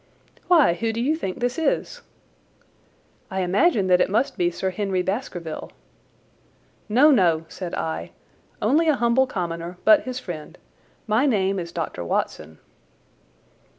"Why, who do you think this is?" "I imagine that it must be Sir Henry Baskerville." "No, no," said I. "Only a humble commoner, but his friend. My name is Dr. Watson."